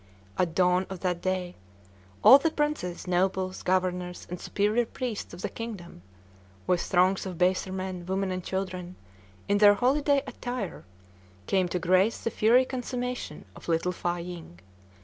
At dawn of that day, all the princes, nobles, governors, and superior priests of the kingdom, with throngs of baser men, women, and children, in their holiday attire, came to grace the "fiery consummation" of little Fâ ying.